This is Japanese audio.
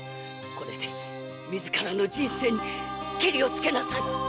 これでみずからの人生にケリをつけなさい！